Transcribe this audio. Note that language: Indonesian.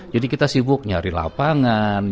jadi kita sibuk nyari lapangan